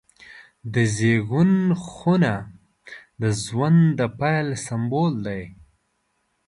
د زیږون خونه د ژوند د پیل سمبول دی.